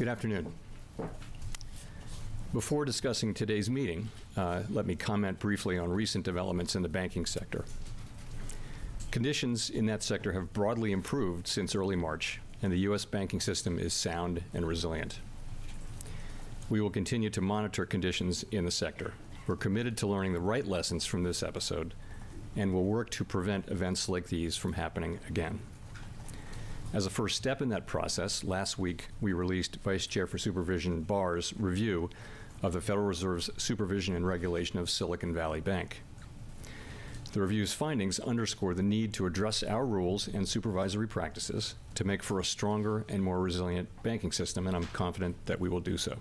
Good afternoon. Before discussing today's meeting, let me comment briefly on recent developments in the banking sector. Conditions in that sector have broadly improved since early March. The U.S. banking system is sound and resilient. We will continue to monitor conditions in the sector. We're committed to learning the right lessons from this episode. We'll work to prevent events like these from happening again. As a first step in that process, last week, we released Vice Chair for Supervision Barr's review of the Federal Reserve's supervision and regulation of Silicon Valley Bank. The review's findings underscore the need to address our rules and supervisory practices to make for a stronger and more resilient banking system. I'm confident that we will do so.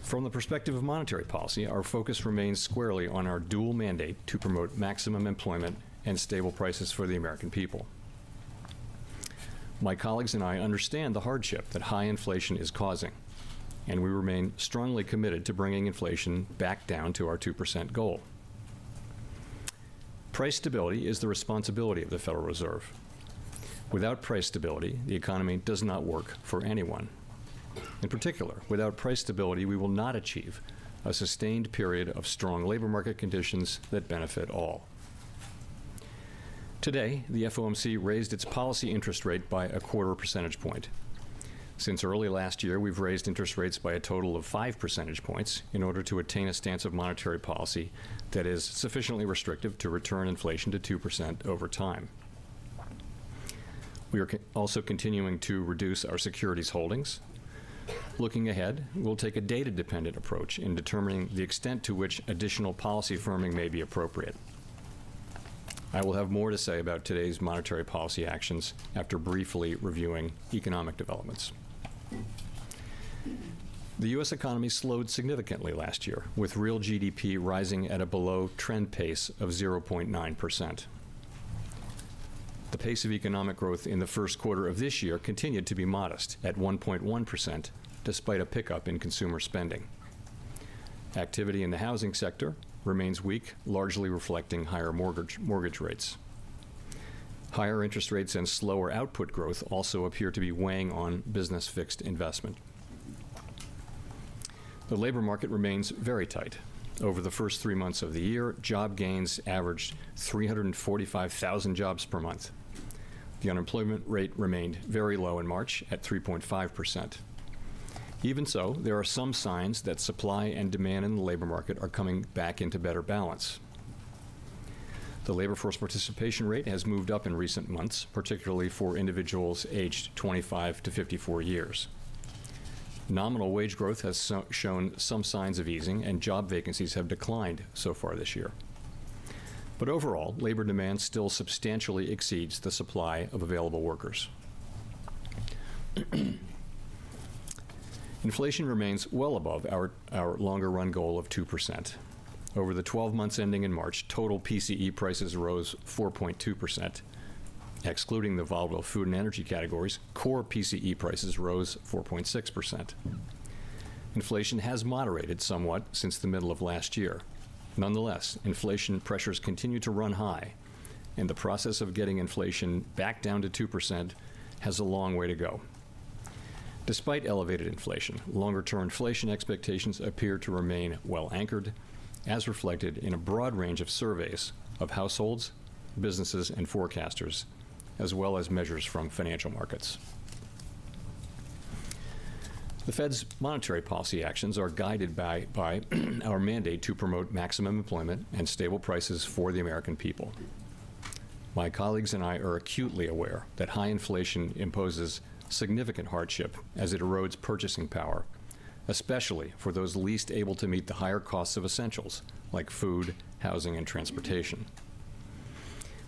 From the perspective of monetary policy, our focus remains squarely on our dual mandate to promote maximum employment and stable prices for the American people. My colleagues and I understand the hardship that high inflation is causing, we remain strongly committed to bringing inflation back down to our 2% goal. Price stability is the responsibility of the Federal Reserve. Without price stability, the economy does not work for anyone. In particular, without price stability, we will not achieve a sustained period of strong labor market conditions that benefit all. Today, the FOMC raised its policy interest rate by a quarter percentage point. Since early last year, we've raised interest rates by a total of 5 percentage points in order to attain a stance of monetary policy that is sufficiently restrictive to return inflation to 2% over time. We are also continuing to reduce our securities holdings. Looking ahead, we'll take a data-dependent approach in determining the extent to which additional policy firming may be appropriate. I will have more to say about today's monetary policy actions after briefly reviewing economic developments. The U.S. economy slowed significantly last year, with real GDP rising at a below-trend pace of 0.9%. The pace of economic growth in the first quarter of this year continued to be modest, at 1.1%, despite a pickup in consumer spending. Activity in the housing sector remains weak, largely reflecting higher mortgage rates. Higher interest rates and slower output growth also appear to be weighing on business fixed investment. The labor market remains very tight. Over the first three months of the year, job gains averaged 345,000 jobs per month. The unemployment rate remained very low in March, at 3.5%. Even so, there are some signs that supply and demand in the labor market are coming back into better balance. The labor force participation rate has moved up in recent months, particularly for individuals aged 25 to 54 years. Nominal wage growth has shown some signs of easing, and job vacancies have declined so far this year. Overall, labor demand still substantially exceeds the supply of available workers. Inflation remains well above our longer run goal of 2%. Over the 12 months ending in March, total PCE prices rose 4.2%. Excluding the volatile food and energy categories, core PCE prices rose 4.6%. Inflation has moderated somewhat since the middle of last year. Nonetheless, inflation pressures continue to run high, and the process of getting inflation back down to 2% has a long way to go. Despite elevated inflation, longer-term inflation expectations appear to remain well anchored, as reflected in a broad range of surveys of households, businesses, and forecasters, as well as measures from financial markets. The Fed's monetary policy actions are guided by our mandate to promote maximum employment and stable prices for the American people. My colleagues and I are acutely aware that high inflation imposes significant hardship as it erodes purchasing power, especially for those least able to meet the higher costs of essentials like food, housing, and transportation.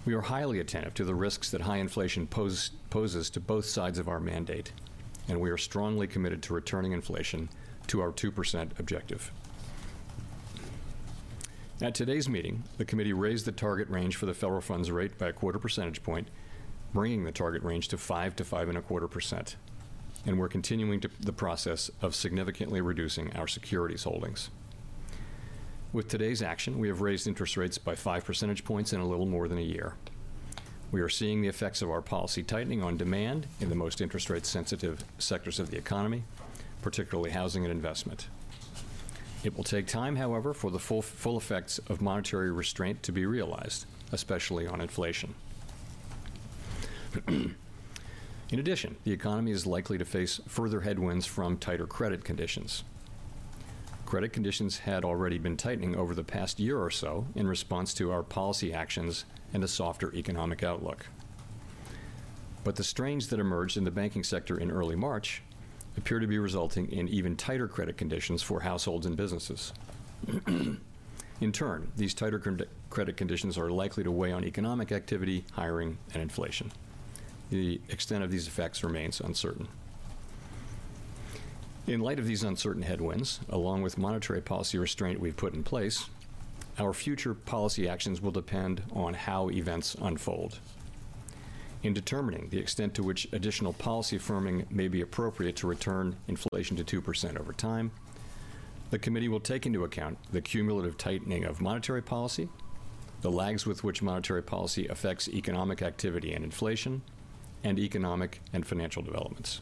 We are highly attentive to the risks that high inflation poses to both sides of our mandate, and we are strongly committed to returning inflation to our 2% objective. At today's meeting, the committee raised the target range for the federal funds rate by a quarter percentage point, bringing the target range to 5%-5.25%. We're continuing to the process of significantly reducing our securities holdings. With today's action, we have raised interest rates by 5 percentage points in a little more than a year. We are seeing the effects of our policy tightening on demand in the most interest rate sensitive sectors of the economy, particularly housing and investment. It will take time, however, for the full effects of monetary restraint to be realized, especially on inflation. In addition, the economy is likely to face further headwinds from tighter credit conditions. Credit conditions had already been tightening over the past year or so in response to our policy actions and a softer economic outlook. The strains that emerged in the banking sector in early March appear to be resulting in even tighter credit conditions for households and businesses. These tighter credit conditions are likely to weigh on economic activity, hiring, and inflation. The extent of these effects remains uncertain. In light of these uncertain headwinds, along with monetary policy restraint we've put in place, our future policy actions will depend on how events unfold. In determining the extent to which additional policy firming may be appropriate to return inflation to 2% over time. The committee will take into account the cumulative tightening of monetary policy, the lags with which monetary policy affects economic activity and inflation, and economic and financial developments.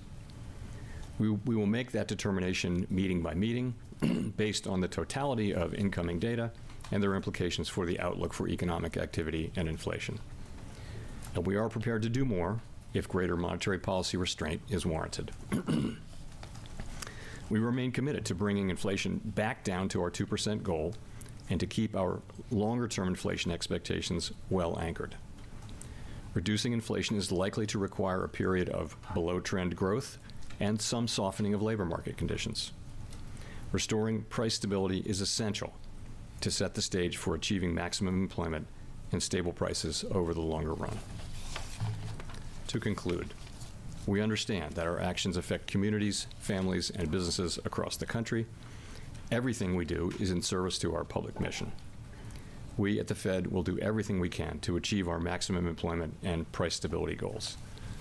We will make that determination meeting by meeting based on the totality of incoming data and their implications for the outlook for economic activity and inflation. We are prepared to do more if greater monetary policy restraint is warranted. We remain committed to bringing inflation back down to our 2% goal and to keep our longer-term inflation expectations well anchored. Reducing inflation is likely to require a period of below-trend growth and some softening of labor market conditions. Restoring price stability is essential to set the stage for achieving maximum employment and stable prices over the longer run. To conclude, we understand that our actions affect communities, families, and businesses across the country. Everything we do is in service to our public mission. We at the Fed will do everything we can to achieve our maximum employment and price stability goals.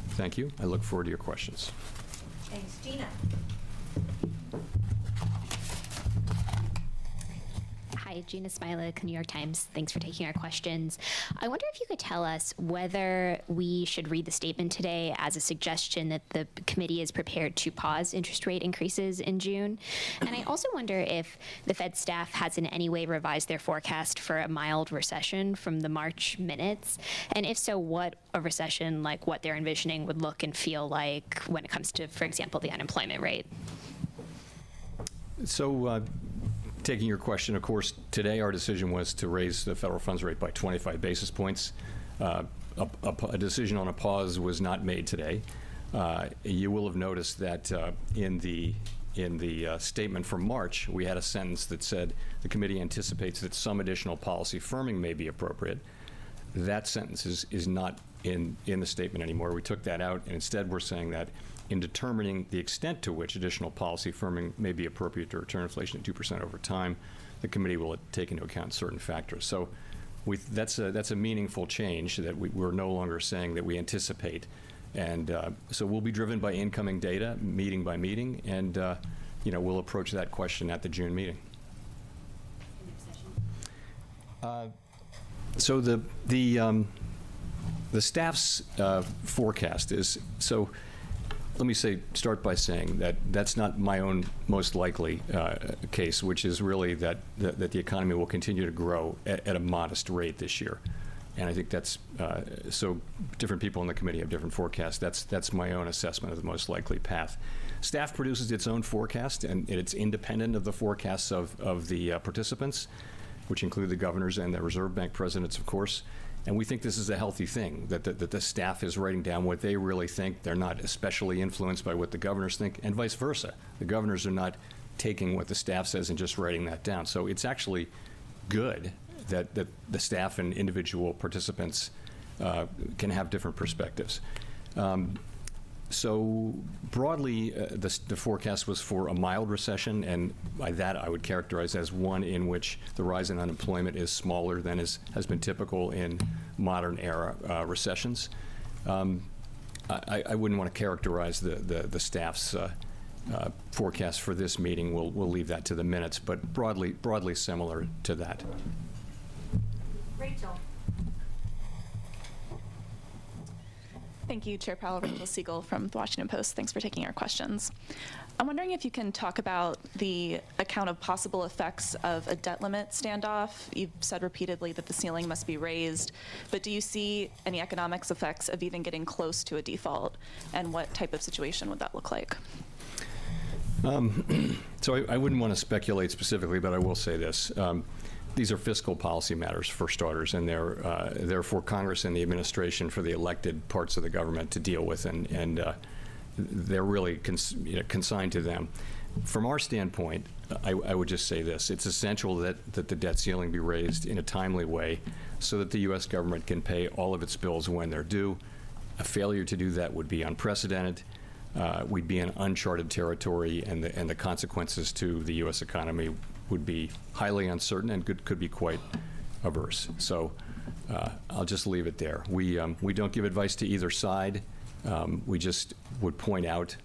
Thank you. I look forward to your questions. Thanks. Jeanna. Hi. Jeanna Smialek, The New York Times. Thanks for taking our questions. I wonder if you could tell us whether we should read the statement today as a suggestion that the committee is prepared to pause interest rate increases in June. I also wonder if the Fed staff has in any way revised their forecast for a mild recession from the March minutes. If so, what a recession, like what they're envisioning, would look and feel like when it comes to, for example, the unemployment rate? Taking your question, of course, today our decision was to raise the federal funds rate by 25 basis points. A decision on a pause was not made today. You will have noticed that in the statement from March, we had a sentence that said, "The committee anticipates that some additional policy firming may be appropriate." That sentence is not in the statement anymore. We took that out, and instead we're saying that in determining the extent to which additional policy firming may be appropriate to return inflation at 2% over time, the committee will take into account certain factors. That's a meaningful change that we're no longer saying that we anticipate. We'll be driven by incoming data meeting by meeting and, you know, we'll approach that question at the June meeting. Recession? The staff's forecast. Let me say, start by saying that that's not my own most likely case, which is really that the economy will continue to grow at a modest rate this year. I think that's, different people in the committee have different forecasts. That's my own assessment of the most likely path. Staff produces its own forecast and it's independent of the forecasts of the participants, which include the governors and the Reserve Bank presidents, of course. We think this is a healthy thing, that the staff is writing down what they really think. They're not especially influenced by what the governors think, and vice versa. The governors are not taking what the staff says and just writing that down. It's actually good that the staff and individual participants can have different perspectives. Broadly, the forecast was for a mild recession, and by that, I would characterize as one in which the rise in unemployment is smaller than has been typical in modern era recessions. I wouldn't wanna characterize the staff's forecast for this meeting. We'll leave that to the minutes, but broadly similar to that. Rachel. Thank you, Chair Powell. Rachel Siegel from The Washington Post. Thanks for taking our questions. I'm wondering if you can talk about the account of possible effects of a debt limit standoff. You've said repeatedly that the ceiling must be raised, but do you see any economics effects of even getting close to a default, and what type of situation would that look like? I wouldn't wanna speculate specifically, but I will say this. These are fiscal policy matters, for starters, and they're for Congress and the administration, for the elected parts of the government to deal with, and, they're really you know, consigned to them. From our standpoint, I would just say this: It's essential that the debt ceiling be raised in a timely way so that the U.S. government can pay all of its bills when they're due. A failure to do that would be unprecedented. We'd be in uncharted territory, and the consequences to the U.S. economy would be highly uncertain and could be quite adverse. I'll just leave it there. We, we don't give advice to either side. We just would point out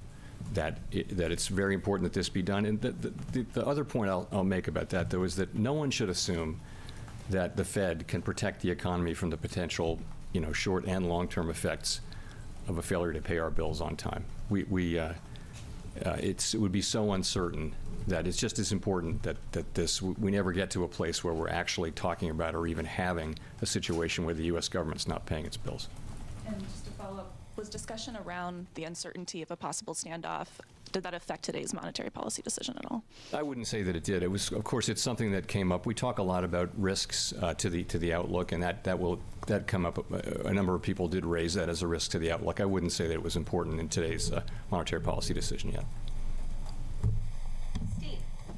that it's very important that this be done. The other point I'll make about that, though, is that no one should assume that the Fed can protect the economy from the potential, you know, short and long-term effects of a failure to pay our bills on time. We, it would be so uncertain that it's just as important that we never get to a place where we're actually talking about or even having a situation where the U.S. government's not paying its bills. Just to follow up, was discussion around the uncertainty of a possible standoff, did that affect today's monetary policy decision at all? I wouldn't say that it did. Of course, it's something that came up. We talk a lot about risks to the outlook, that will come up. A number of people did raise that as a risk to the outlook. I wouldn't say that it was important in today's monetary policy decision,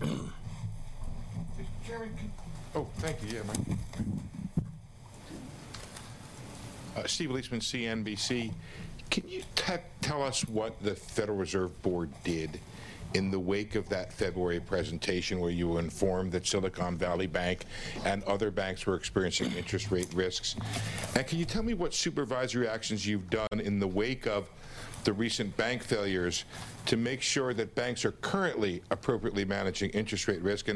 yeah. Steve. Jeremy. Oh, thank you. Yeah, mic. Steve Liesman, CNBC. Can you tell us what the Federal Reserve Board did in the wake of that February presentation where you were informed that Silicon Valley Bank and other banks were experiencing interest rate risks? Can you tell me what supervisory actions you've done in the wake of the recent bank failures to make sure that banks are currently appropriately managing interest rate risk?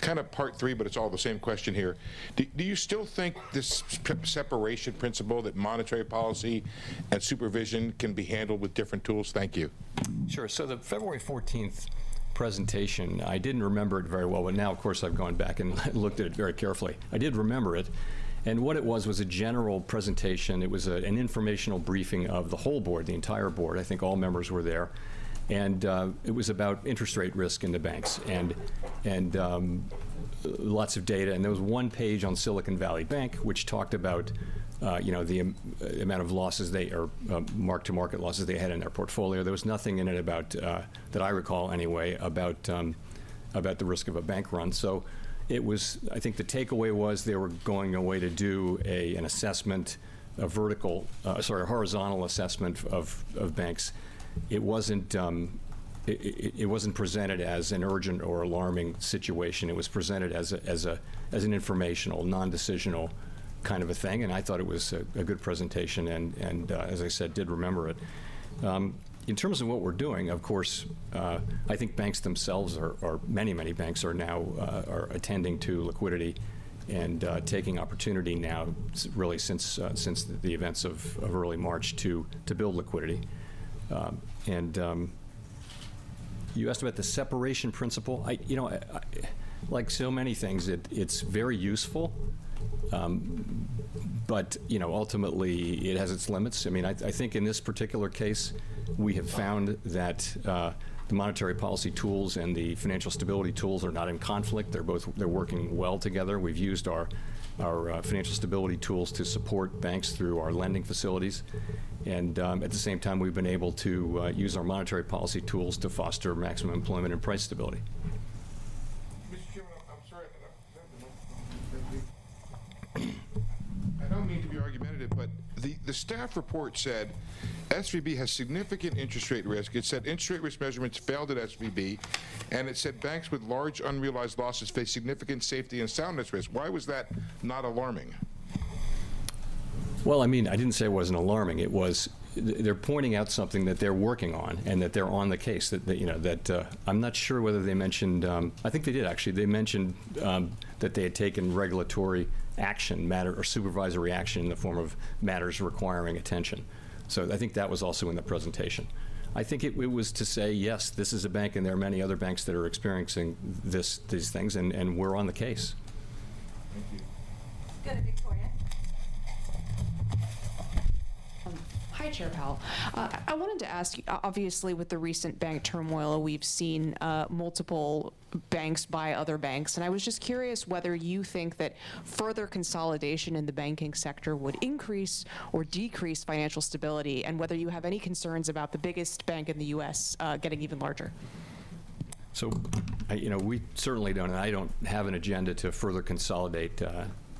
Kinda part three, but it's all the same question here. Do you still think this separation principle that monetary policy and supervision can be handled with different tools? Thank you. Sure. The February 14th presentation, I didn't remember it very well, but now, of course, I've gone back and looked at it very carefully. I did remember it, and what it was was a general presentation. It was an informational briefing of the whole board, the entire board. I think all members were there. It was about interest rate risk in the banks and lots of data. There was one page on Silicon Valley Bank, which talked about, you know, the amount of losses they... or market to market losses they had in their portfolio. There was nothing in it about that I recall anyway, about the risk of a bank run. I think the takeaway was they were going away to do an assessment, a vertical, sorry, a horizontal review of banks. It wasn't, it wasn't presented as an urgent or alarming situation. It was presented as an informational, non-decisional kind of a thing, and I thought it was a good presentation and, as I said, did remember it. In terms of what we're doing, of course, I think banks themselves are many banks are now attending to liquidity and taking opportunity now really since the events of early March to build liquidity. You asked about the separation principle. I, you know, like so many things, it's very useful, but, you know, ultimately it has its limits. I mean, I think in this particular case, we have found that, the monetary policy tools and the financial stability tools are not in conflict. They're working well together. We've used our financial stability tools to support banks through our lending facilities. At the same time, we've been able to use our monetary policy tools to foster maximum employment and price stability. Mr. Chairman, I'm sorry. I don't mean to be argumentative, but the staff report said SVB has significant interest rate risk. It said interest rate risk measurements failed at SVB, and it said banks with large unrealized losses face significant safety and soundness risk. Why was that not alarming? Well, I mean, I didn't say it wasn't alarming. They're pointing out something that they're working on and that they're on the case. That, you know, that... I'm not sure whether they mentioned, I think they did actually. They mentioned that they had taken regulatory action matter or supervisory action in the form of Matters Requiring Attention. I think that was also in the presentation. I think it was to say, "Yes, this is a bank, and there are many other banks that are experiencing this, these things, and we're on the case. Thank you. Let's go to Victoria. Hi, Chair Powell. I wanted to ask, obviously, with the recent bank turmoil, we've seen, multiple banks buy other banks, and I was just curious whether you think that further consolidation in the banking sector would increase or decrease financial stability, and whether you have any concerns about the biggest bank in the U.S., getting even larger? I, you know, we certainly don't, and I don't have an agenda to further consolidate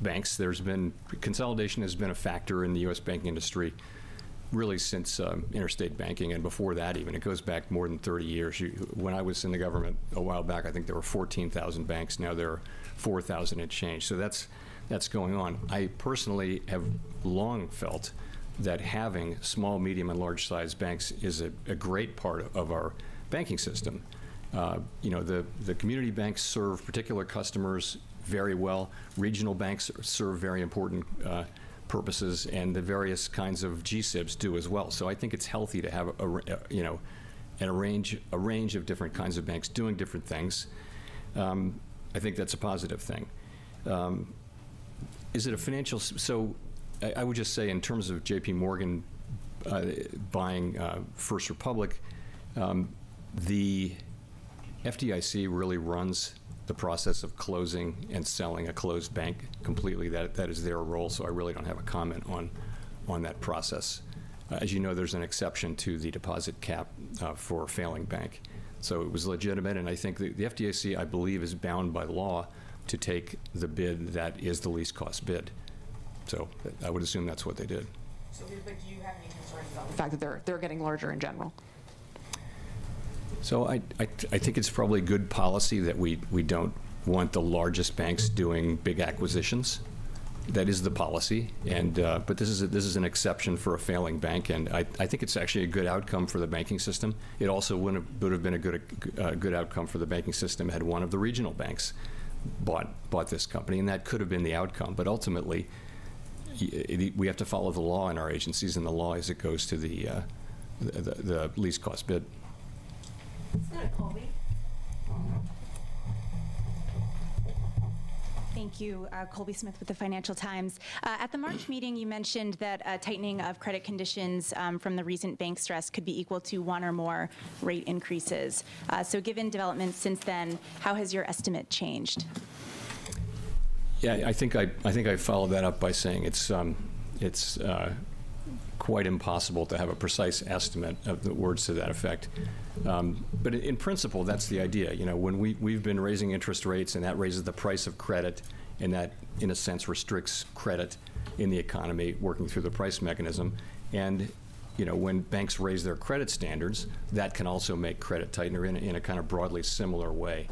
banks. Consolidation has been a factor in the U.S. banking industry really since interstate banking and before that even. It goes back more than 30 years. When I was in the government a while back, I think there were 14,000 banks. Now there are 4,000 and change. That's going on. I personally have long felt that having small, medium, and large-sized banks is a great part of our banking system. You know, the community banks serve particular customers very well. Regional banks serve very important purposes, and the various kinds of GSIBs do as well. I think it's healthy to have a range of different kinds of banks doing different things. I think that's a positive thing. I would just say in terms of J.P. Morgan buying First Republic, the FDIC really runs the process of closing and selling a closed bank completely. That is their role. I really don't have a comment on that process. As you know, there's an exception to the deposit cap for a failing bank. It was legitimate, and I think the FDIC, I believe, is bound by law to take the bid that is the least cost bid. I would assume that's what they did. Do you have any concerns about the fact that they're getting larger in general? I think it's probably good policy that we don't want the largest banks doing big acquisitions. That is the policy. This is an exception for a failing bank, and I think it's actually a good outcome for the banking system. It also would have been a good outcome for the banking system had one of the regional banks bought this company, and that could have been the outcome. Ultimately, we have to follow the law in our agencies, and the law is it goes to the least cost bid. Let's go to Colby. Thank you. Colby Smith with the Financial Times. At the March meeting, you mentioned that a tightening of credit conditions from the recent bank stress could be equal to one or more rate increases. Given developments since then, how has your estimate changed? Yeah. I think I followed that up by saying it's quite impossible to have a precise estimate of the words to that effect. In principle, that's the idea. You know, when we've been raising interest rates, that raises the price of credit, and that, in a sense, restricts credit in the economy working through the price mechanism. You know, when banks raise their credit standards, that can also make credit tighter in a kind of broadly similar way.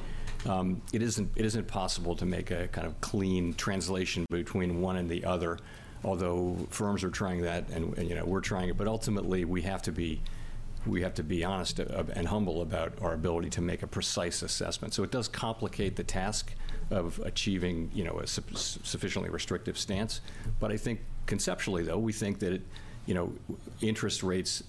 It isn't possible to make a kind of clean translation between one and the other, although firms are trying that and, you know, we're trying it. Ultimately, we have to be honest and humble about our ability to make a precise assessment. It does complicate the task of achieving, you know, a sufficiently restrictive stance. I think conceptually, though, we think that, you know, interest rates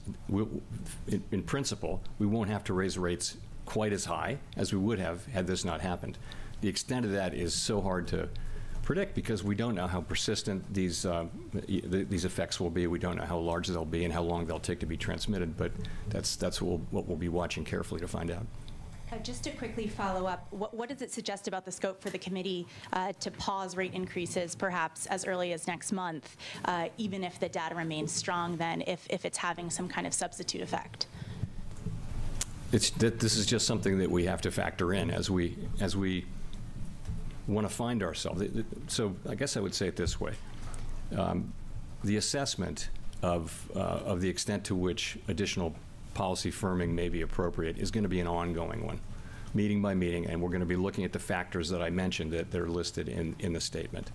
in principle, we won't have to raise rates quite as high as we would have had this not happened. The extent of that is so hard to predict because we don't know how persistent these effects will be. We don't know how large they'll be and how long they'll take to be transmitted. That's what we'll be watching carefully to find out. Just to quickly follow up. What does it suggest about the scope for the committee to pause rate increases perhaps as early as next month, even if the data remains strong then if it's having some kind of substitute effect? This is just something that we have to factor in as we wanna find ourselves. So I guess I would say it this way. The assessment of the extent to which additional policy firming may be appropriate is gonna be an ongoing one, meeting by meeting, and we're gonna be looking at the factors that I mentioned that are listed in the statement,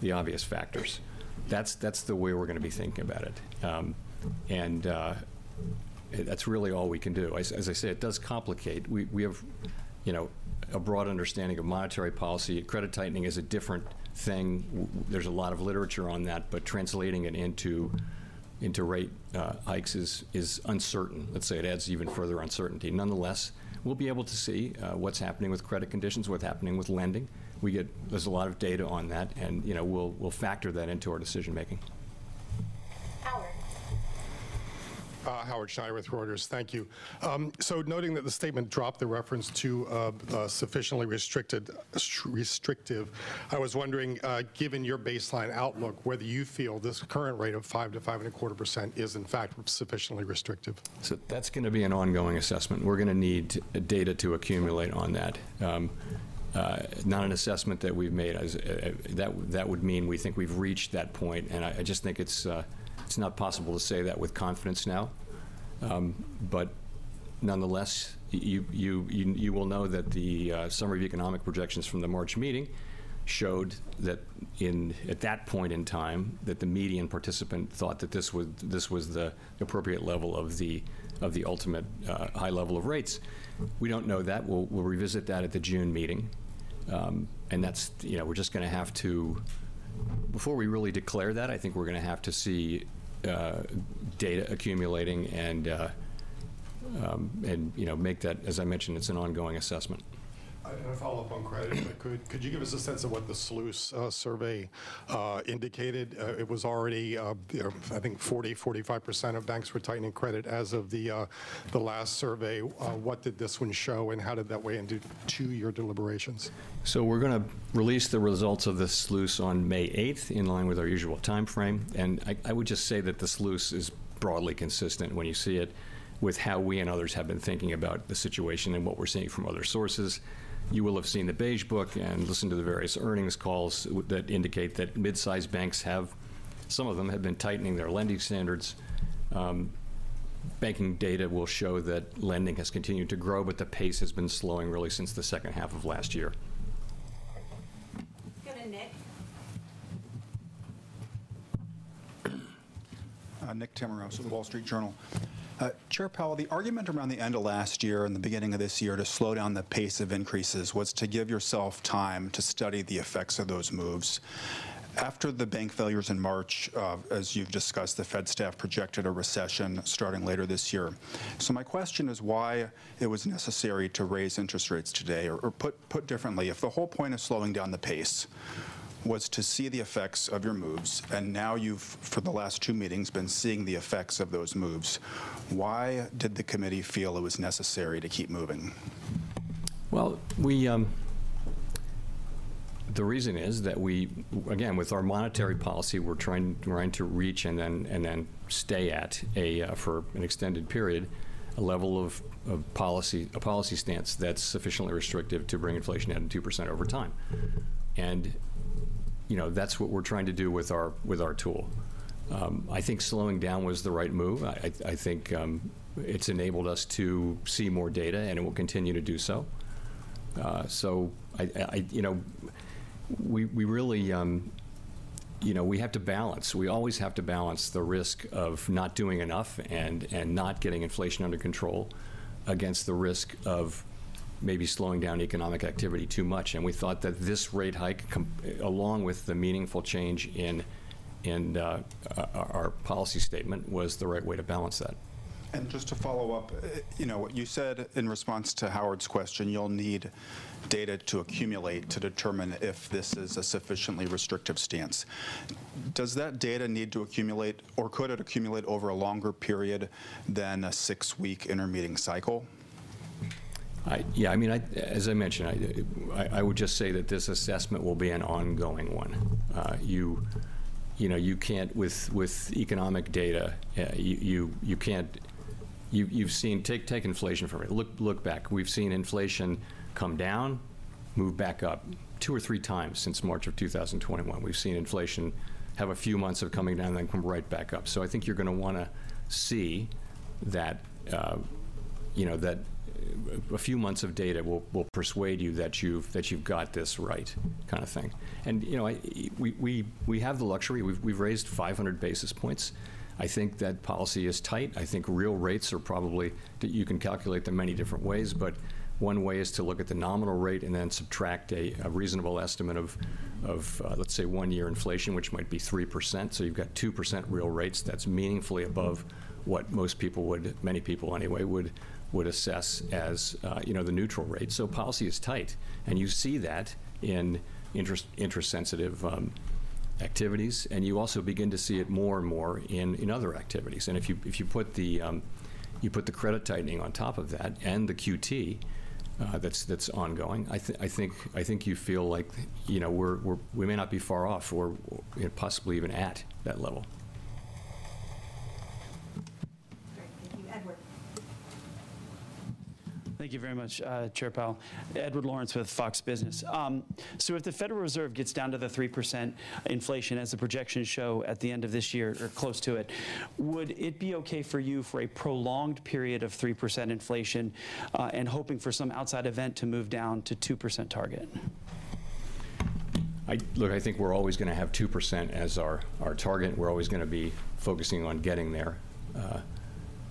the obvious factors. That's the way we're gonna be thinking about it. And that's really all we can do. As I say, it does complicate. We have, you know, a broad understanding of monetary policy. Credit tightening is a different thing. There's a lot of literature on that, but translating it into rate hikes is uncertain. Let's say it adds even further uncertainty. Nonetheless, we'll be able to see what's happening with credit conditions, what's happening with lending. There's a lot of data on that and, you know, we'll factor that into our decision-making. Howard. Howard Schneider with Reuters. Thank you. Noting that the statement dropped the reference to sufficiently restrictive, I was wondering given your baseline outlook, whether you feel this current rate of 5 to 5.25% is, in fact, sufficiently restrictive? That's gonna be an ongoing assessment. We're gonna need data to accumulate on that. Not an assessment that we've made as. That would mean we think we've reached that point, and I just think it's not possible to say that with confidence now. Nonetheless, you will know that the Summary of Economic Projections from the March meeting showed that at that point in time, that the median participant thought that this was the appropriate level of the ultimate high level of rates. We don't know that. We'll revisit that at the June meeting. That's, you know, we're just gonna have to... Before we really declare that, I think we're gonna have to see, data accumulating and, you know, As I mentioned, it's an ongoing assessment. I, and a follow-up on credit, if I could. Could you give us a sense of what the SLOOS survey indicated? It was already, you know, I think 40%, 45% of banks were tightening credit as of the last survey. What did this one show, and how did that weigh into to your deliberations? We're gonna release the results of the SLOOS on May eighth, in line with our usual timeframe. I would just say that the SLOOS is broadly consistent when you see it with how we and others have been thinking about the situation and what we're seeing from other sources. You will have seen the Beige Book and listened to the various earnings calls that indicate that mid-sized banks have, some of them have been tightening their lending standards. Banking data will show that lending has continued to grow, but the pace has been slowing really since the second half of last year. Let's go to Nick. Nick Timiraos with The Wall Street Journal. Chair Powell, the argument around the end of last year and the beginning of this year to slow down the pace of increases was to give yourself time to study the effects of those moves. After the bank failures in March, as you've discussed, the Fed staff projected a recession starting later this year. My question is why it was necessary to raise interest rates today? Put differently, if the whole point of slowing down the pace was to see the effects of your moves, and now you've, for the last two meetings, been seeing the effects of those moves, why did the committee feel it was necessary to keep moving? Well, we. The reason is that we, again, with our monetary policy, we're trying to reach and then stay at a for an extended period, a level of policy, a policy stance that's sufficiently restrictive to bring inflation down to 2% over time. You know, that's what we're trying to do with our tool. I think slowing down was the right move. I think it's enabled us to see more data, and it will continue to do so. So I, you know, we really, you know, we have to balance. We always have to balance the risk of not doing enough and not getting inflation under control against the risk of maybe slowing down economic activity too much. We thought that this rate hike along with the meaningful change in our policy statement was the right way to balance that. Just to follow up. You know, you said in response to Howard's question you'll need data to accumulate to determine if this is a sufficiently restrictive stance. Does that data need to accumulate, or could it accumulate over a longer period than a six-week intermeeting cycle? I mean, as I mentioned, I would just say that this assessment will be an ongoing one. You know, with economic data, you've seen. Take inflation for a minute. Look back. We've seen inflation come down, move back up 2 or 3 times since March of 2021. We've seen inflation have a few months of coming down, come right back up. I think you're gonna wanna see that, you know, that a few months of data will persuade you that you've got this right kind of thing. You know, I, we have the luxury. We've raised 500 basis points. I think that policy is tight. I think real rates are probably... You can calculate them many different ways, one way is to look at the nominal rate and then subtract a reasonable estimate of, let's say 1 year inflation, which might be 3%. You've got 2% real rates. That's meaningfully above what most people would, many people anyway, would assess as, you know, the neutral rate. Policy is tight, and you see that in interest sensitive activities, and you also begin to see it more and more in other activities. If you, if you put the, you put the credit tightening on top of that and the QT, that's ongoing, I think you feel like, you know, we're, we may not be far off or, you know, possibly even at that level. Great. Thank you. Edward. Thank you very much, Chair Powell. Edward Lawrence with Fox Business. If the Federal Reserve gets down to the 3% inflation as the projections show at the end of this year or close to it, would it be okay for you for a prolonged period of 3% inflation, and hoping for some outside event to move down to 2% target? Look, I think we're always gonna have 2% as our target. We're always gonna be focusing on getting there.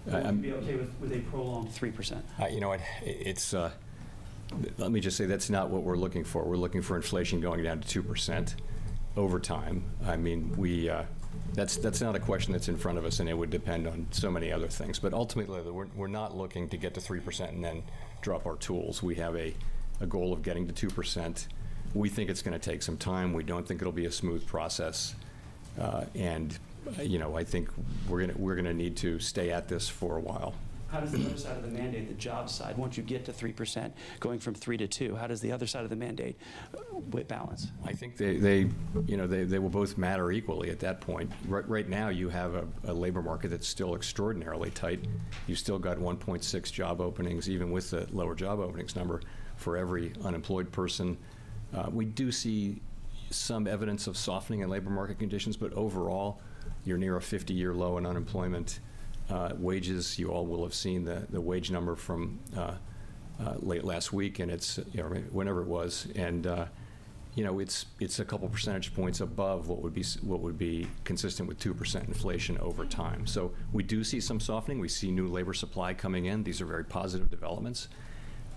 Would you be okay with a prolonged 3%? You know what? It's, let me just say that's not what we're looking for. We're looking for inflation going down to 2% over time. I mean, we, that's not a question that's in front of us, and it would depend on so many other things. Ultimately, we're not looking to get to 3% and then drop our tools. We have a goal of getting to 2%. We think it's gonna take some time. We don't think it'll be a smooth process. You know, I think we're gonna need to stay at this for a while. How does the other side of the mandate, the jobs side, once you get to 3%, going from 3% to 2%, how does the other side of the mandate balance? I think they, you know, they will both matter equally at that point. Right now, you have a labor market that's still extraordinarily tight. You still got 1.6 job openings, even with the lower job openings number, for every unemployed person. We do see some evidence of softening in labor market conditions, but overall, you're near a 50-year low in unemployment. Wages, you all will have seen the wage number from late last week, and it's, you know, whenever it was, and, you know, it's a couple percentage points above what would be consistent with 2% inflation over time. We do see some softening. We see new labor supply coming in. These are very positive developments.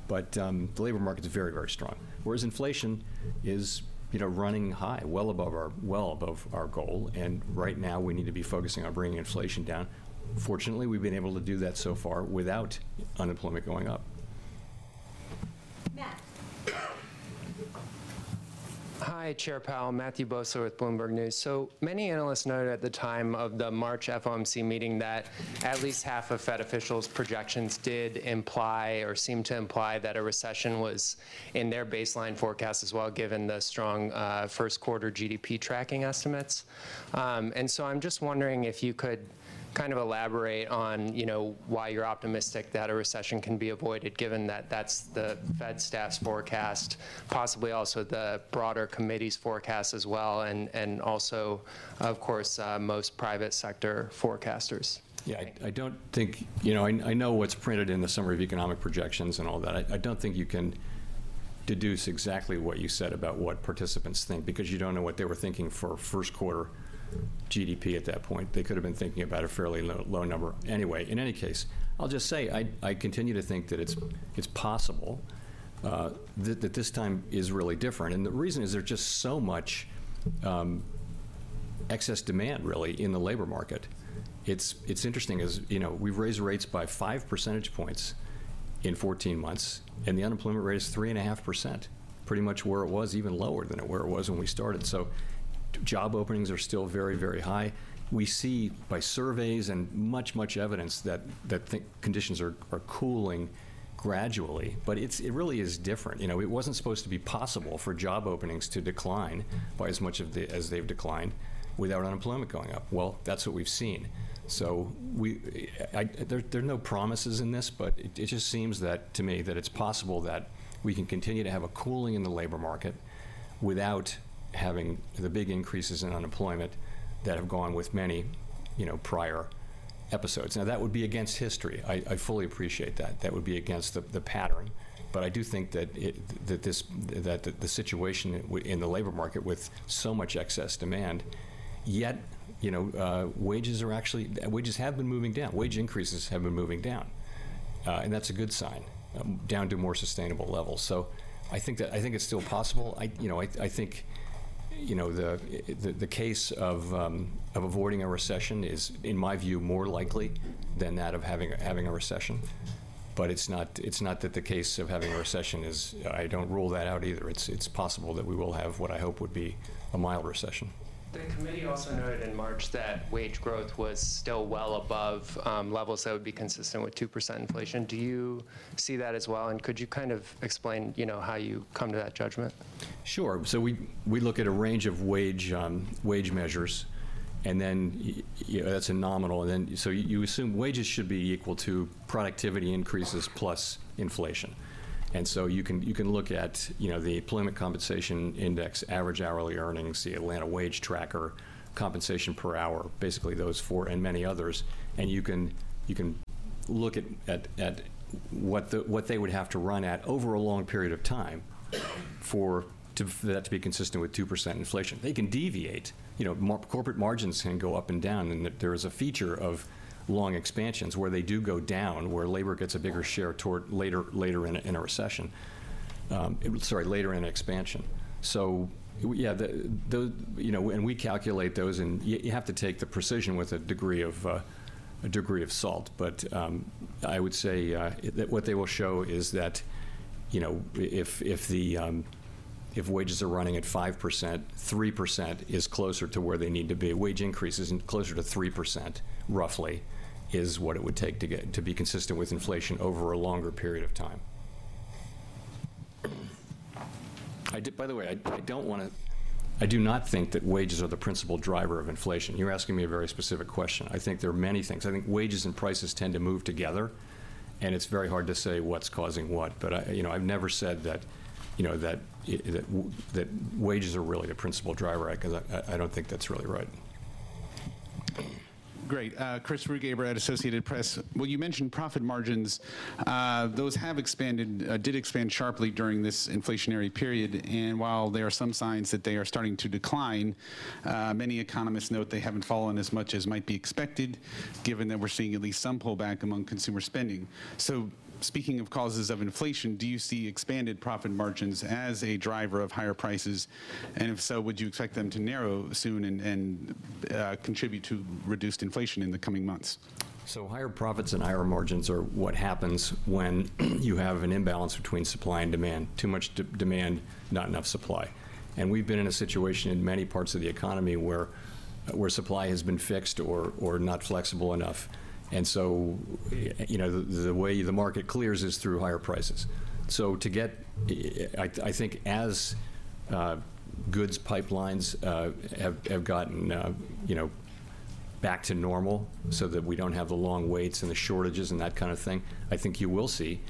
The labor market's very strong. Whereas inflation is, you know, running high, well above our, well above our goal. Right now, we need to be focusing on bringing inflation down. Fortunately, we've been able to do that so far without unemployment going up. Matt. Hi, Chair Powell. Matthew Boesler with Bloomberg News. Many analysts noted at the time of the March FOMC meeting that at least half of Fed officials' projections did imply or seemed to imply that a recession was in their baseline forecast as well, given the strong first quarter GDP tracking estimates. I'm just wondering if you could kind of elaborate on, you know, why you're optimistic that a recession can be avoided, given that that's the Fed staff's forecast, possibly also the broader committee's forecast as well, and also, of course, most private sector forecasters. I don't think you know, I know what's printed in the Summary of Economic Projections and all that. I don't think you can deduce exactly what you said about what participants think because you don't know what they were thinking for first quarter GDP at that point. They could have been thinking about a fairly low number. In any case, I continue to think that it's possible that this time is really different. The reason is there's just so much excess demand really in the labor market. It's interesting as, you know, we've raised rates by five percentage points in 14 months, and the unemployment rate is 3.5%, pretty much where it was even lower than it where it was when we started. Job openings are still very, very high. We see by surveys and much, much evidence that conditions are cooling gradually. It really is different. You know, it wasn't supposed to be possible for job openings to decline by as much as they've declined without unemployment going up. Well, that's what we've seen. We. There are no promises in this, but it just seems that, to me, that it's possible that we can continue to have a cooling in the labor market without having the big increases in unemployment that have gone with many, you know, prior episodes. Now, that would be against history. I fully appreciate that. That would be against the pattern. I do think that the situation in the labor market with so much excess demand, yet, you know, wages are actually wages have been moving down. Wage increases have been moving down, and that's a good sign, down to more sustainable levels. I think it's still possible. I, you know, I think, you know, the case of avoiding a recession is, in my view, more likely than that of having a recession. It's not that the case of having a recession is. I don't rule that out either. It's possible that we will have what I hope would be a mild recession. The committee also noted in March that wage growth was still well above levels that would be consistent with 2% inflation. Do you see that as well, and could you kind of explain, you know, how you come to that judgment? Sure. We look at a range of wage measures, then you know, that's a nominal. You assume wages should be equal to productivity increases plus inflation. You can look at, you know, the Employment Cost Index, average hourly earnings, the Wage Growth Tracker, compensation per hour, basically those four and many others. You can look at what they would have to run at over a long period of time for that to be consistent with 2% inflation. They can deviate. You know, corporate margins can go up and down, and that there is a feature of long expansions where they do go down, where labor gets a bigger share toward later in a recession. Sorry, later in expansion. Yeah, the, you know, and we calculate those, and you have to take the precision with a degree of a degree of salt. I would say that what they will show is that, you know, if the wages are running at 5%, 3% is closer to where they need to be. Wage increase isn't closer to 3%, roughly, is what it would take to be consistent with inflation over a longer period of time. By the way, I do not think that wages are the principal driver of inflation. You're asking me a very specific question. I think there are many things. I think wages and prices tend to move together, and it's very hard to say what's causing what. I, you know, I've never said that, you know, that wages are really the principal driver, I, 'cause I don't think that's really right. Great. Chris Rugaber at Associated Press. Well, you mentioned profit margins. Those have expanded, did expand sharply during this inflationary period. While there are some signs that they are starting to decline, many economists note they haven't fallen as much as might be expected, given that we're seeing at least some pullback among consumer spending. Speaking of causes of inflation, do you see expanded profit margins as a driver of higher prices? If so, would you expect them to narrow soon and contribute to reduced inflation in the coming months? Higher profits and higher margins are what happens when you have an imbalance between supply and demand. Too much de-demand, not enough supply. We've been in a situation in many parts of the economy where supply has been fixed or not flexible enough. You know, the way the market clears is through higher prices. To get, I think as goods pipelines have gotten, you know, back to normal so that we don't have the long waits and the shortages and that kind of thing, I think you will see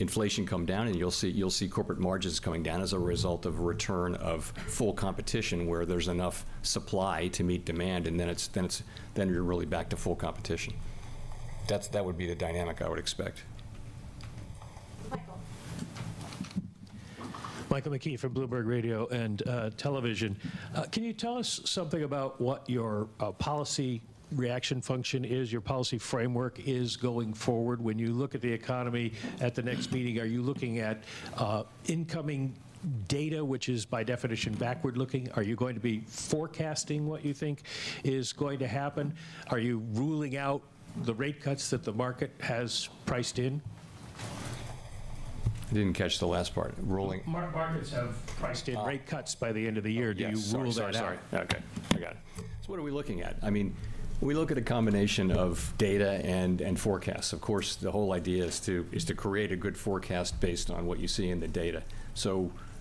inflation come down, and you'll see corporate margins coming down as a result of a return of full competition where there's enough supply to meet demand. Then it's, then you're really back to full competition. That's, that would be the dynamic I would expect. Michael. Michael McKee from Bloomberg Radio and Television. Can you tell us something about what your policy reaction function is, your policy framework is going forward? When you look at the economy at the next meeting, are you looking at incoming data which is by definition backward-looking? Are you going to be forecasting what you think is going to happen? Are you ruling out the rate cuts that the market has priced in? I didn't catch the last part. Ruling- Markets have priced in rate cuts by the end of the year. Oh, yes. Sorry. Do you rule that out? Sorry. Okay. I got it. What are we looking at? I mean, we look at a combination of data and forecasts. Of course, the whole idea is to create a good forecast based on what you see in the data.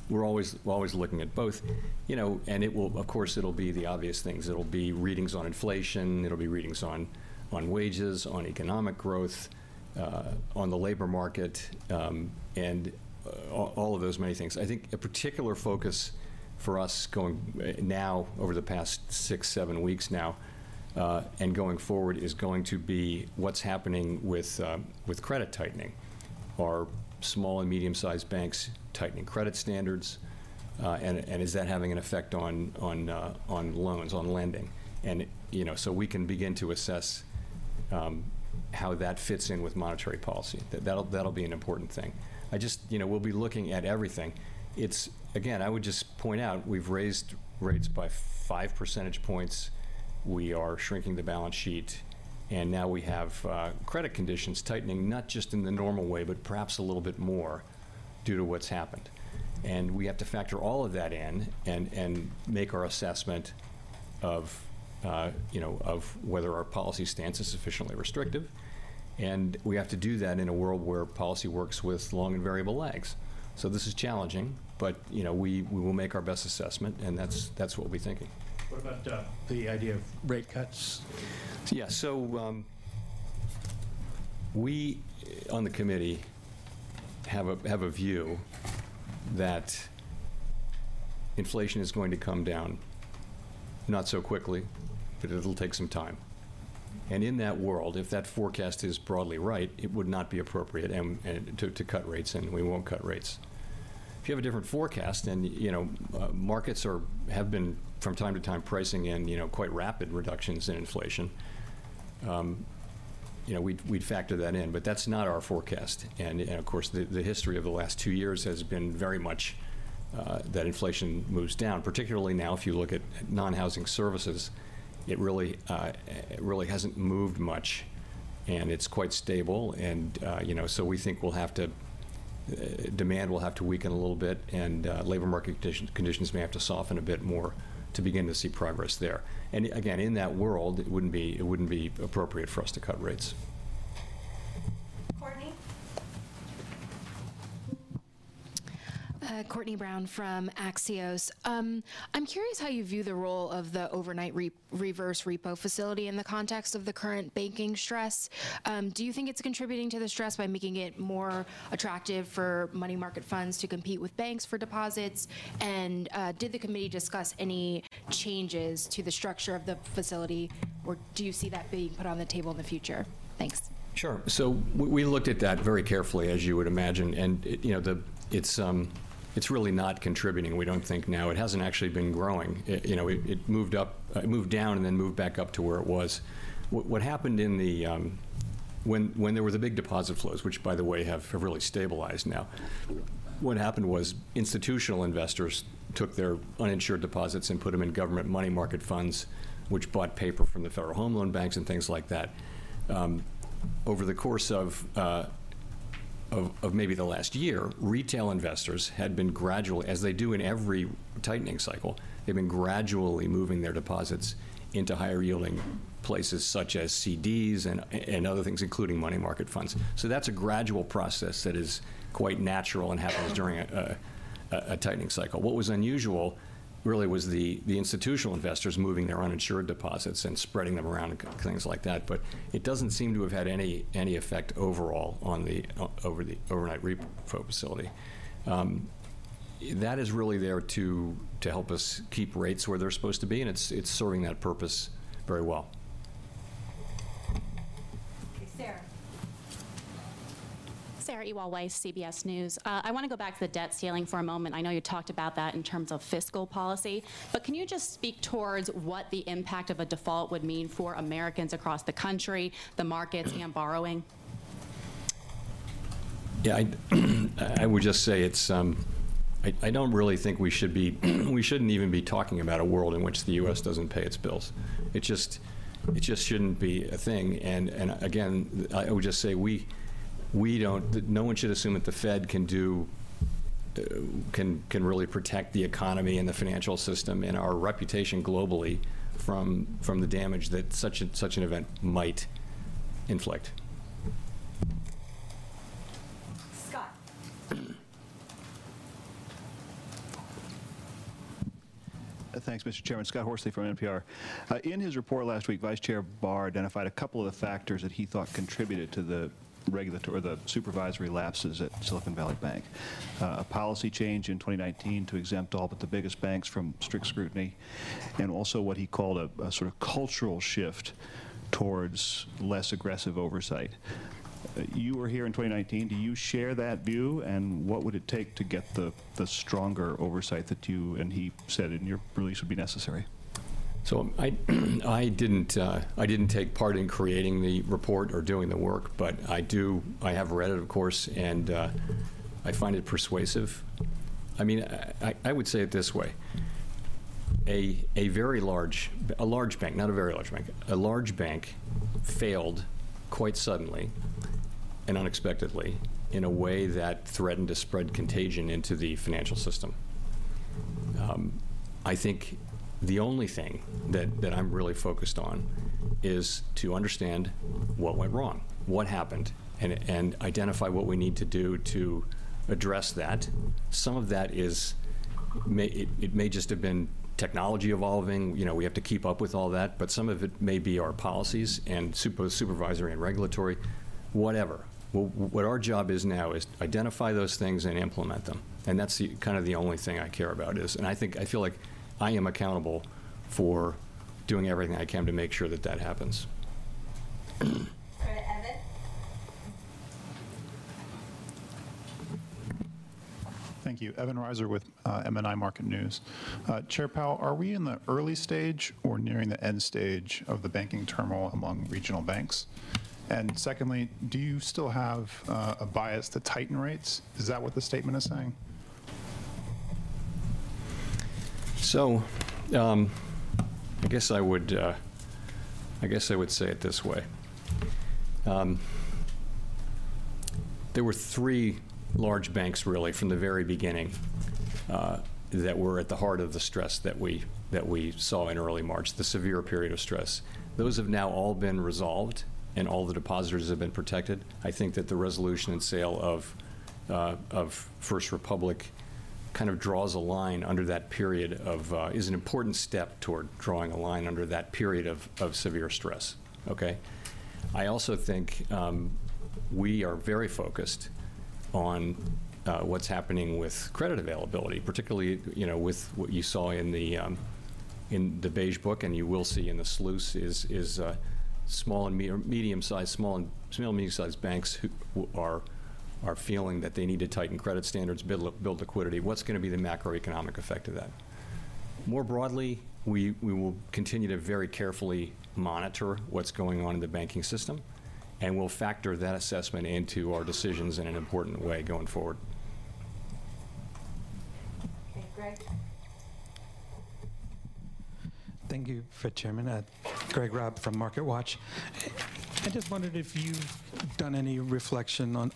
We're always looking at both. You know, Of course, it'll be the obvious things. It'll be readings on inflation. It'll be readings on wages, on economic growth, on the labor market, and all of those many things. I think a particular focus for us going now over the past six, seven weeks now, and going forward is going to be what's happening with credit tightening. Are small and medium-sized banks tightening credit standards? Is that having an effect on loans, on lending? We can begin to assess how that fits in with monetary policy. That'll be an important thing. You know, we'll be looking at everything. Again, I would just point out we've raised rates by 5 percentage points. We are shrinking the balance sheet, and now we have credit conditions tightening, not just in the normal way, but perhaps a little bit more due to what's happened. We have to factor all of that in and make our assessment of, you know, of whether our policy stance is sufficiently restrictive. We have to do that in a world where policy works with long and variable lags. This is challenging, but, you know, we will make our best assessment, and that's what we'll be thinking. What about the idea of rate cuts? We, on the committee, have a view that inflation is going to come down not so quickly, but it'll take some time. In that world, if that forecast is broadly right, it would not be appropriate to cut rates, and we won't cut rates. If you have a different forecast, then, you know, markets have been, from time to time, pricing in, you know, quite rapid reductions in inflation. You know, we'd factor that in, but that's not our forecast. Of course, the history of the last two years has been very much that inflation moves down. Particularly now, if you look at non-housing services, it really hasn't moved much, and it's quite stable. You know, we think demand will have to weaken a little bit, and labor market conditions may have to soften a bit more to begin to see progress there. Again, in that world, it wouldn't be appropriate for us to cut rates. Courtenay. Courtenay Brown from Axios. I'm curious how you view the role of the overnight reverse repo facility in the context of the current banking stress. Do you think it's contributing to the stress by making it more attractive for money market funds to compete with banks for deposits? Did the committee discuss any changes to the structure of the facility, or do you see that being put on the table in the future? Thanks. Sure. We looked at that very carefully, as you would imagine. You know, the... It's really not contributing, we don't think now. It hasn't actually been growing. It, you know, it moved up... It moved down and then moved back up to where it was. What happened in the... When there was the big deposit flows, which by the way, have really stabilized now. What happened was institutional investors took their uninsured deposits and put them in government money market funds, which bought paper from the Federal Home Loan Banks and things like that. Over the course of maybe the last year, retail investors had been gradually, as they do in every tightening cycle, they've been gradually moving their deposits into higher-yielding places such as CDs and other things, including money market funds. That's a gradual process that is quite natural and happens during a tightening cycle. What was unusual really was the institutional investors moving their uninsured deposits and spreading them around and things like that. It doesn't seem to have had any effect overall on the overnight repo facility. That is really there to help us keep rates where they're supposed to be, and it's serving that purpose very well. Okay. Sarah. Sarah Ewall-Wice, CBS News. I wanna go back to the debt ceiling for a moment. I know you talked about that in terms of fiscal policy. Can you just speak towards what the impact of a default would mean for Americans across the country, the markets and borrowing? Yeah. I would just say it's... I don't really think we shouldn't even be talking about a world in which the U.S. doesn't pay its bills. It just shouldn't be a thing. Again, I would just say we don't... No one should assume that the Fed can really protect the economy and the financial system and our reputation globally from the damage that such an event might inflict. Scott. Thanks, Mr. Chairman. Scott Horsley from NPR. In his report last week, Vice Chair Barr identified a couple of the factors that he thought contributed to the regulatory or the supervisory lapses at Silicon Valley Bank. A policy change in 2019 to exempt all but the biggest banks from strict scrutiny, and also what he called a sort of cultural shift towards less aggressive oversight. You were here in 2019. Do you share that view? What would it take to get the stronger oversight that you and he said in your release would be necessary? I didn't take part in creating the report or doing the work. I have read it, of course, and I find it persuasive. I mean, I would say it this way. A large bank failed quite suddenly and unexpectedly in a way that threatened to spread contagion into the financial system. I think the only thing that I'm really focused on is to understand what went wrong, what happened, and identify what we need to do to address that. Some of that may just have been technology evolving. You know, we have to keep up with all that. Some of it may be our policies and supervisory and regulatory, whatever. What our job is now is to identify those things and implement them, and that's the, kind of the only thing I care about is. I feel like I am accountable for doing everything I can to make sure that that happens. Go to Evan. Thank you. Evan Ryser with MNI Market News. Chair Powell, are we in the early stage or nearing the end stage of the banking turmoil among regional banks? Secondly, do you still have a bias to tighten rates? Is that what the statement is saying? I guess I would say it this way. There were three large banks really from the very beginning that were at the heart of the stress that we saw in early March, the severe period of stress. Those have now all been resolved, and all the depositors have been protected. I think that the resolution and sale of First Republic is an important step toward drawing a line under that period of severe stress. Okay? I also think, we are very focused on, what's happening with credit availability, particularly, you know, with what you saw in the Beige Book and you will see in the SLOOS is small and medium-sized banks who are feeling that they need to tighten credit standards, build liquidity. What's gonna be the macroeconomic effect of that? More broadly, we will continue to very carefully monitor what's going on in the banking system, and we'll factor that assessment into our decisions in an important way going forward. Greg Thank you, Fed Chairman. Greg Robb from MarketWatch. I just wondered if you've done any reflection on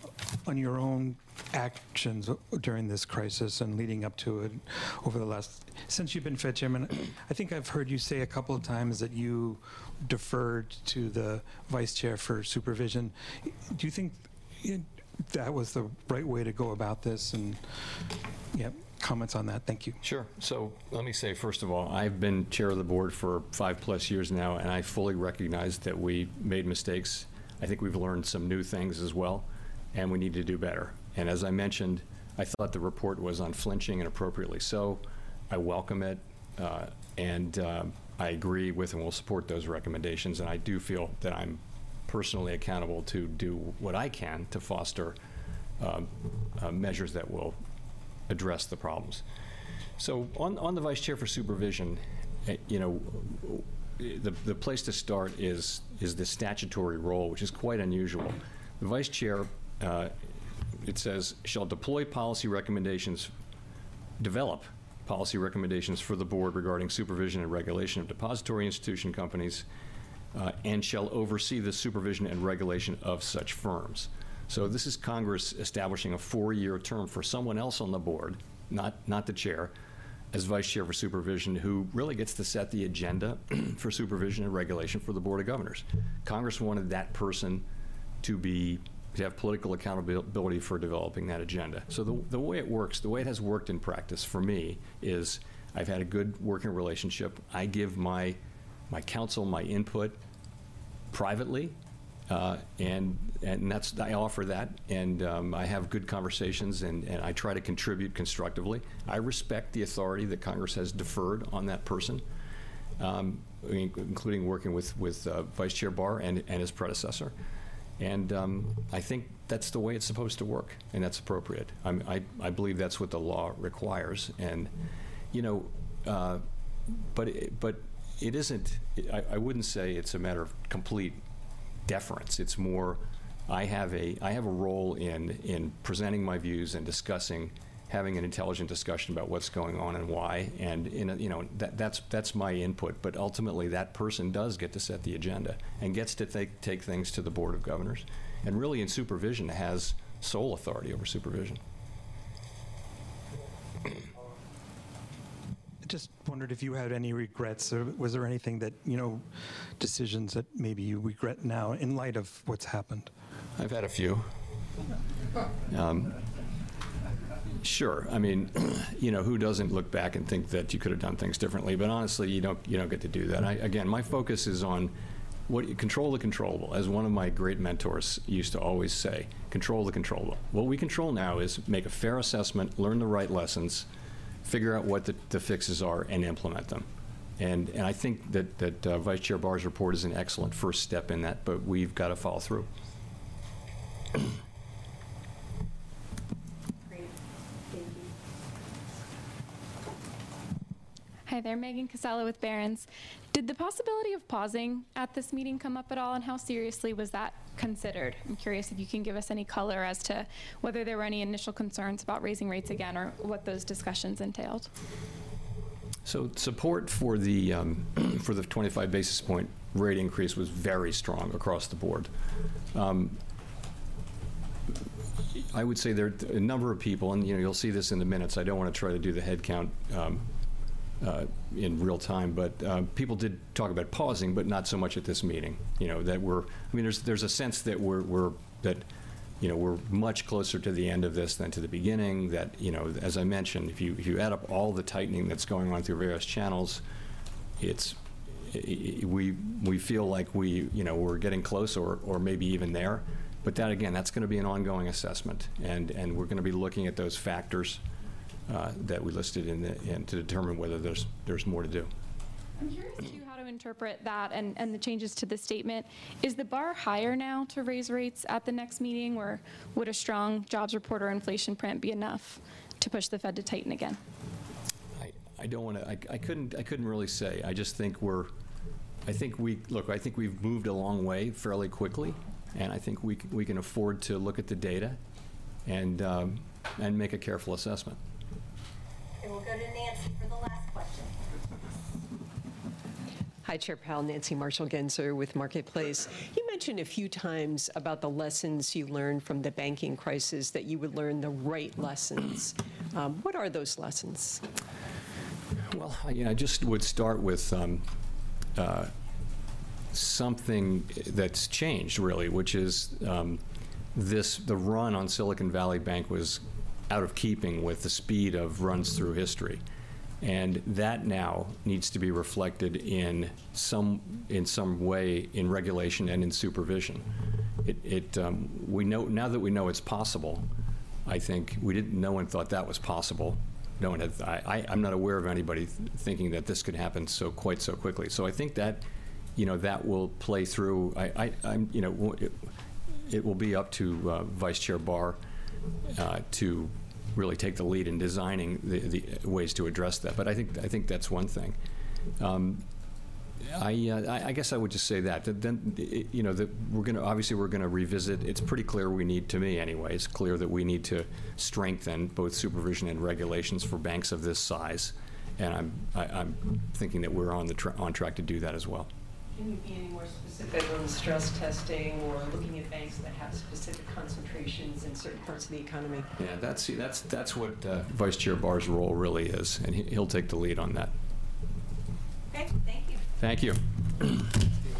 your own actions during this crisis and leading up to it over the last. Since you've been Fed Chairman, I think I've heard you say a couple of times that you deferred to the Vice Chair for Supervision. Do you think that was the right way to go about this? You have comments on that? Thank you. Let me say, first of all, I've been Chair of the Board for 5-plus years now, and I fully recognize that we made mistakes. I think we've learned some new things as well, and we need to do better. As I mentioned, I thought the report was unflinching and appropriately so. I welcome it, and I agree with and will support those recommendations. I do feel that I'm personally accountable to do what I can to foster measures that will address the problems. On, on the Vice Chair for Supervision, you know, the place to start is the statutory role, which is quite unusual. The Vice Chair, it says, "Shall deploy policy recommendations, develop policy recommendations for the Board regarding supervision and regulation of depository institution companies, and shall oversee the supervision and regulation of such firms." This is Congress establishing a 4-year term for someone else on the Board, not the Chair, as Vice Chair for Supervision, who really gets to set the agenda for supervision and regulation for the Board of Governors. Congress wanted that person to have political accountability for developing that agenda. The way it works, the way it has worked in practice for me is I've had a good working relationship. I give my counsel, my input privately, and that's I offer that, and, I have good conversations, and I try to contribute constructively. I respect the authority that Congress has deferred on that person, including working with Vice Chair Barr and his predecessor. I think that's the way it's supposed to work, and that's appropriate. I believe that's what the law requires. You know, but it isn't... I wouldn't say it's a matter of complete deference. It's more I have a, I have a role in presenting my views and discussing, having an intelligent discussion about what's going on and why. In a, you know, that's my input. Ultimately, that person does get to set the agenda and gets to take things to the Board of Governors and really, in supervision, has sole authority over supervision. I just wondered if you had any regrets or was there anything that, you know, decisions that maybe you regret now in light of what's happened? I've had a few. Sure. I mean, you know, who doesn't look back and think that you could have done things differently? Honestly, you don't, you don't get to do that. Again, my focus is on what control the controllable. As one of my great mentors used to always say, "Control the controllable." What we control now is make a fair assessment, learn the right lessons, figure out what the fixes are, and implement them. I think that Vice Chair Barr's report is an excellent first step in that. We've got to follow through. Great. Megan. Hi there. Megan Cassella with Barron's. Did the possibility of pausing at this meeting come up at all, and how seriously was that considered? I'm curious if you can give us any color as to whether there were any initial concerns about raising rates again or what those discussions entailed. Support for the for the 25 basis point rate increase was very strong across the board. I would say there are a number of people, and, you know, you'll see this in the minutes. I don't wanna try to do the head count in real time. People did talk about pausing, but not so much at this meeting, you know, I mean, there's a sense that we're, that, you know, we're much closer to the end of this than to the beginning, that, you know, as I mentioned, if you, if you add up all the tightening that's going on through various channels, it we feel like we, you know, we're getting close or maybe even there. That, again, that's gonna be an ongoing assessment. We're gonna be looking at those factors, that we listed and to determine whether there's more to do. I'm curious, too, how to interpret that and the changes to the statement. Is the bar higher now to raise rates at the next meeting, or would a strong jobs report or inflation print be enough to push the Fed to tighten again? I don't wanna. I couldn't really say. I just think we-- Look, I think we've moved a long way fairly quickly, and I think we can afford to look at the data and make a careful assessment. We'll go to Nancy for the last question. Yes, yes. Hi, Chair Powell. Nancy Marshall-Genzer with Marketplace. You mentioned a few times about the lessons you learned from the banking crisis, that you would learn the right lessons. What are those lessons? Well, you know, I just would start with something that's changed really, which is, this, the run on Silicon Valley Bank was out of keeping with the speed of runs through history. That now needs to be reflected in some way in regulation and in supervision. It, now that we know it's possible, I think, we didn't know and thought that was possible. I'm not aware of anybody thinking that this could happen so, quite so quickly. I think that, you know, that will play through. I'm, you know, It will be up to Vice Chair Barr to really take the lead in designing the ways to address that. I think that's one thing. I guess I would just say that. You know, we're gonna, obviously, we're gonna revisit. It's pretty clear we need, to me anyway, it's clear that we need to strengthen both supervision and regulations for banks of this size, and I'm thinking that we're on track to do that as well. Can you be any more specific on stress testing or looking at banks that have specific concentrations in certain parts of the economy? Yeah. That's what Vice Chair Barr's role really is, and he'll take the lead on that. Okay. Thank you. Thank you.